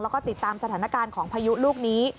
แล้วก็ติดตามสถานการณ์ของพายุลูกนี้